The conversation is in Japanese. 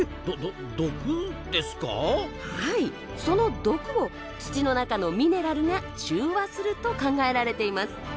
その毒を土の中のミネラルが中和すると考えられています。